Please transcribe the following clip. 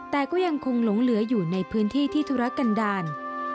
แต่ก็ยังคงหลงเหลืออยู่ในพื้นที่ที่ธุรกันดาล